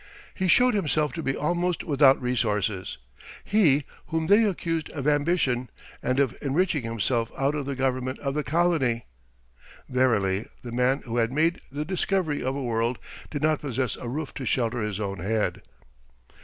He showed himself to be almost without resources, he whom they accused of ambition, and of enriching himself out of the government of the colony! Verily, the man who had made the discovery of a world, did not possess a roof to shelter his own head!